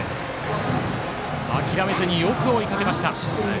諦めずによく追いかけました。